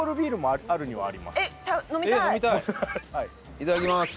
いただきます。